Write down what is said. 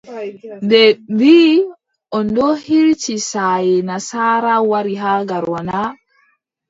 Ɓe mbiʼi on ɗo hiriti saaye nasaara, wari haa Garoua na ?